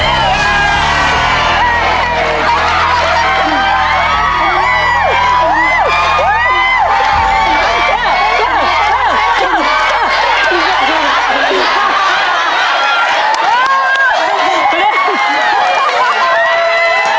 ยากกะชิงด้วย